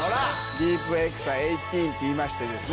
ディープエクサ１８っていいましてですね。